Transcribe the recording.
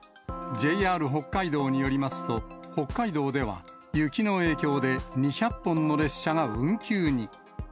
ＪＲ北海道によりますと、北海道では雪の影響で、２００本の列車が運休に。